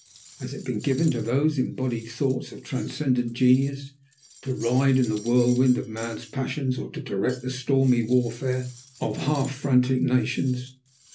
Has it been given to those embodied thoughts of transcendent genius to ride in the whirlwind of men's passions or to direct the stormy warfare of half frantic nations?